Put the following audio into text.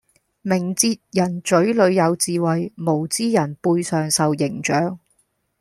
明哲人嘴裡有智慧，無知人背上受刑杖